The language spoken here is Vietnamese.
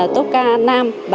tốt ca nam